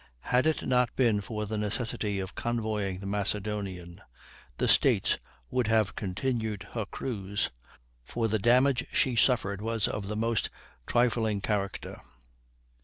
Had it not been for the necessity of convoying the Macedonian, the States would have continued her cruise, for the damage she suffered was of the most trifling character.